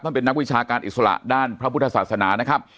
เป็นนักวิชาการอิสระด้านพระพุทธศาสนานะครับ